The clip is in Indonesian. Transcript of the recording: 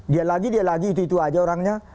dia lagi dia lagi itu itu aja orangnya